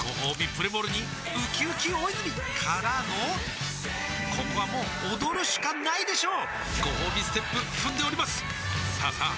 プレモルにうきうき大泉からのここはもう踊るしかないでしょうごほうびステップ踏んでおりますさあさあ